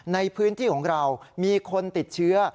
ในพื้นที่ของเรามีคนติดเชื้อ